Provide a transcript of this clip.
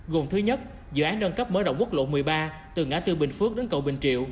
gồm thứ nhất dự án nâng cấp mở rộng quốc lộ một mươi ba từ ngã tư bình phước đến cầu bình triệu